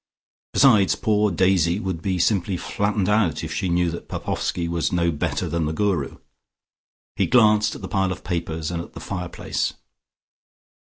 Besides poor Daisy would be simply flattened out if she knew that Popoffski was no better than the Guru. He glanced at the pile of papers, and at the fire place....